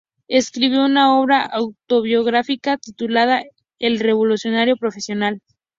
Escribió una obra autobiográfica titulada "El revolucionario profesional.